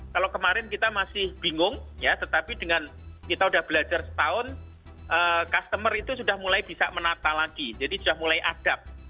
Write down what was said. kalau kemarin kita masih bingung ya tetapi dengan kita sudah belajar setahun customer itu sudah mulai bisa menata lagi jadi sudah mulai adab